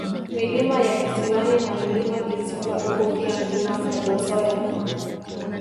Milima ya Kisiwani na Mlima Kizimba upo pia Mlima Kolosoya